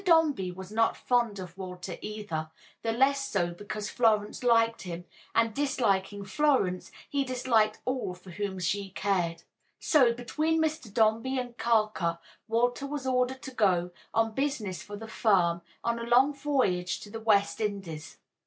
Dombey was not fond of Walter either, the less so because Florence liked him, and disliking Florence, he disliked all for whom she cared. So, between Mr. Dombey and Carker, Walter was ordered to go, on business for the firm, on a long voyage to the West Indies.